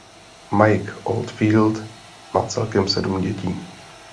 Mike Oldfield má celkem sedm dětí.